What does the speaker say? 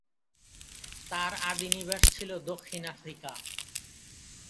তার আদি নিবাস ছিল দক্ষিণ আফ্রিকা।